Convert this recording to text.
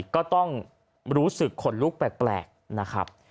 ก็ต้องรู้สึกขนลุกแปลกนะครับ